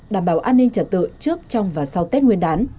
đảm bảo an ninh trật tự trước trong và sau tết nguyên đán